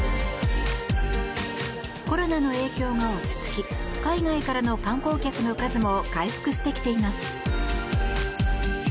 コロナの影響が落ち着き海外からの観光客の数も回復してきています。